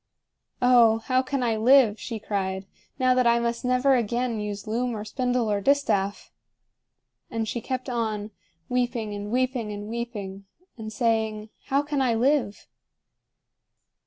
"Oh, how can I live," she cried, "now that I must never again use loom or spindle or distaff?" And she kept on, weeping and weeping and weeping, and saying, "How can I live?"